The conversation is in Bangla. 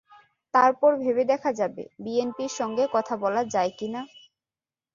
তারপর ভেবে দেখা যাবে বিএনপির সঙ্গে কথা বলা যায় কি না?